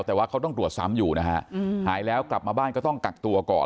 แต่ว่าเขาต้องตรวจซ้ำอยู่นะฮะหายแล้วกลับมาบ้านก็ต้องกักตัวก่อน